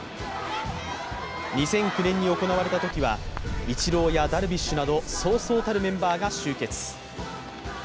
２００９年に行われたときはイチローやダルビッシュなどそうそうたるメンバーが集結。